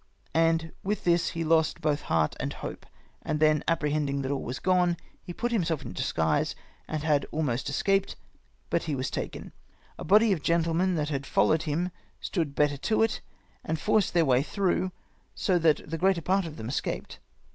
And with this he lost both heart and hope. And then, apprehending that all was gone, he put himself in a disguise, and had almost escaped; but he was taken. A body of gentlemen that had followed him stood better to it, and forced their way through, so that the greater part of them escaped.